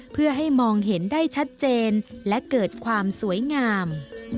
เพื่อให้มองเห็นได้ชัดเจนและเกิดความสวยงาม